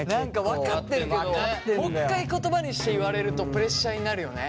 分かってるけどもう一回言葉にして言われるとプレッシャーになるよね。